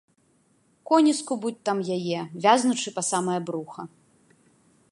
Коні скубуць там яе, вязнучы па самае бруха.